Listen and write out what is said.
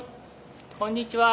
こんにちは！